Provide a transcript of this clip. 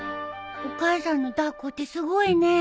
お母さんの抱っこってすごいね。